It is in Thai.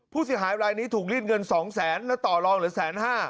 ผู้เสียหายรายนี้ถูกรีดเงิน๒แสนแล้วต่อรองเหลือแสนห้า